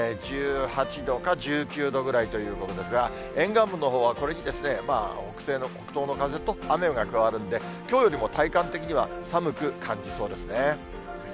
１８度か１９度ぐらいということですが、沿岸部のほうは、これに北東の風と、雨が加わるんで、きょうよりも体感的には寒く感じそうですね。